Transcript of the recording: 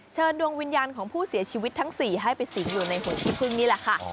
เชิญดวงวิญญาณของผู้เสียชีวิตทั้ง๔ให้ไปสิงอยู่ในหัวขี้พึ่งนี่แหละค่ะ